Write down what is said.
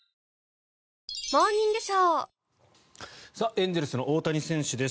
エンゼルスの大谷選手です。